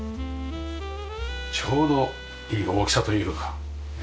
ちょうどいい大きさというかねっ。